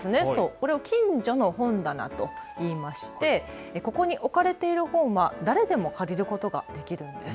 これをきんじょの本棚といいまして、ここに置かれている本は誰でも借りることができるんです。